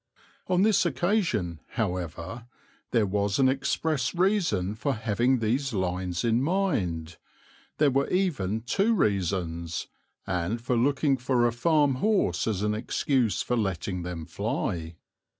On this occasion, however, there was an express reason for having these lines in mind there were even two reasons and for looking for a farm horse as an excuse for letting them fly.